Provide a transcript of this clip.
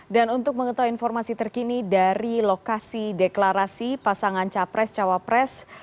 dan untuk mengetahui informasi terkini dari lokasi deklarasi pasangan capres cawapres